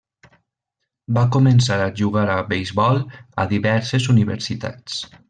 Va començar a jugar a beisbol a diverses universitats.